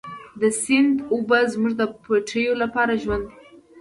د سیند اوبه زموږ د پټیو لپاره ژوند دی.